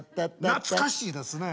懐かしいですね。